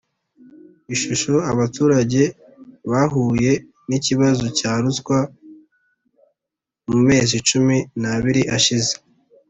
Ishusho Abaturage bahuye n ikibazo cya ruswa mu mezi cumi n abiri ashize